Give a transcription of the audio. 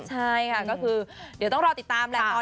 ใช่ค่ะก็คือเดี๋ยวต้องรอติดตามแหละ